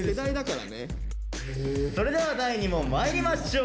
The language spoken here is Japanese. それでは第２問まいりましょう。